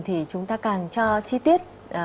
thì chúng ta càng cho chi tiết